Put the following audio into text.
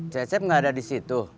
cecep gak ada disitu